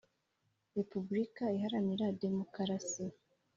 Repubulika iharanira demokarasi